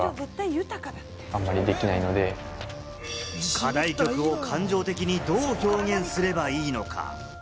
課題曲を感情的に、どう表現すればいいのか？